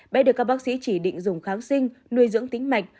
bé được các bác sĩ chỉ định dùng kháng sinh nuôi dưỡng tính mạch